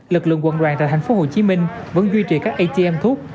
lực lượng quận đoàn tại tp hcm vẫn duy trì các atm thuốc